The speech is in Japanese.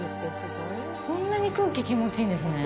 こんなに空気が気持ちいいんですね。